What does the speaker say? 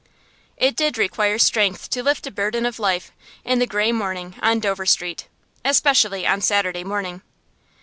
It did require strength to lift the burden of life, in the gray morning, on Dover Street; especially on Saturday morning.